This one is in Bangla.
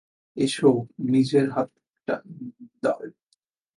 এসো, নিজের হাতটা দাও।